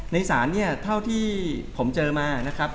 ในศาลเนี่ยเท่าที่ผมเจอมานะครับ